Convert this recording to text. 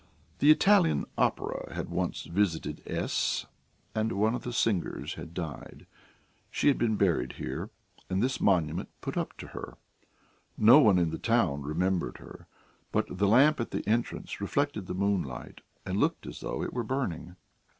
The Italian opera had once visited S and one of the singers had died; she had been buried here, and this monument put up to her. No one in the town remembered her, but the lamp at the entrance reflected the moonlight, and looked as though it were burning.